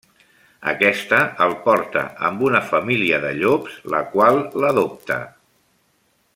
Aquesta el porta amb una família de llops, la qual l'adopta.